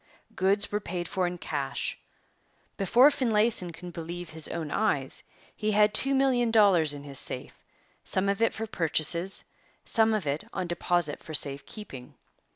Goods were paid for in cash. Before Finlayson could believe his own eyes, he had two million dollars in his safe, some of it for purchases, some of it on deposit for safe keeping.